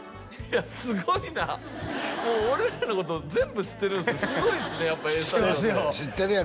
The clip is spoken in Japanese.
いやすごいな俺らのこと全部知ってるんすねすごいっすね